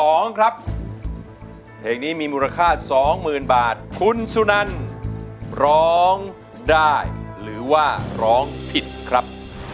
เพลงที่๒ครับเพลงนี้มีมูลค่า๒๐๐๐๐บาทคุณสุนันร้องได้หรือว่าร้องผิดครับ